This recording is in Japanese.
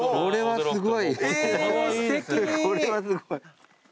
これはすごい。え！